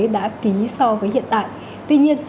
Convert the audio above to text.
đã ký so với hiện tại tuy nhiên